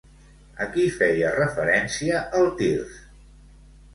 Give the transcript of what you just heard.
A qui feia referència, el tirs?